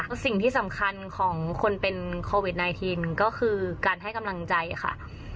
สิ่งที่สำคัญของคนเป็นโควิด๑๙ก็คือการให้กำลังใจค่ะ